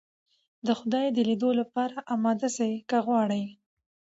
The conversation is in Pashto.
د خدای د ليدلو لپاره اماده سئ که غواړئ.